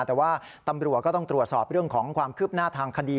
แต่ว่าตำรวจก็ต้องตรวจสอบเรื่องของความคืบหน้าทางคดี